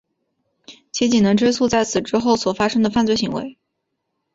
其仅能追诉在此之后所发生的犯罪行为。